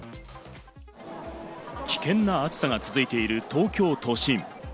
危険な暑さが続いている東京都心。